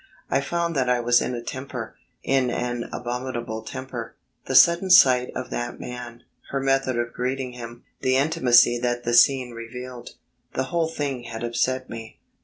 I found that I was in a temper in an abominable temper. The sudden sight of that man, her method of greeting him, the intimacy that the scene revealed ... the whole thing had upset me.